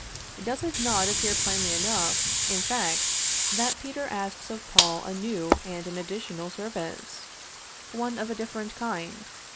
Does it not appear plainly enough, in fact, that Peter asks of Paul a new and an additional service; one of a different kind?